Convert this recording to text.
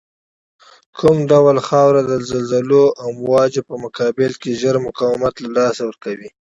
کوم ډول خاوره د زلزلوي امواجو په مقابل کې زر مقاومت له لاسه ورکوی